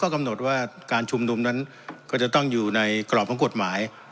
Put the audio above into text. กำหนดว่าการชุมนุมนั้นก็จะต้องอยู่ในกรอบของกฎหมาย